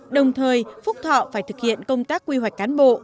đồng thời phúc thọ phải thực hiện công tác quy hoạch cán bộ